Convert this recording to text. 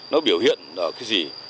nó biểu hiện cái gì